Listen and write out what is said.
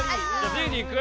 Ｄでいく？